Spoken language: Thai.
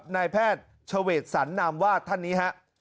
ในแพทย์เฉวดสันนามวาดท่านนี้